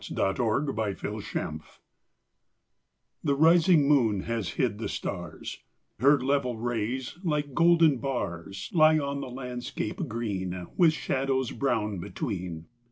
20 48 ENDMYION ENDYMION The rising moon has hid the stars ; Her level rays, like golden bars, Lie on the landscape green, With shadows brown between.